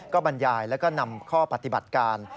ก็บรรยายแล้วก็นำข้อปฏิบัติการ